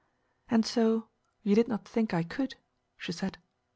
"And so you did not think I could," she said.